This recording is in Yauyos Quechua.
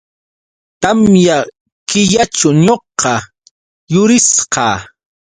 Tamya killaćhu ñuqa yurisqa.